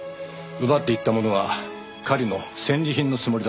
奪っていったものは狩りの戦利品のつもりだろうよ。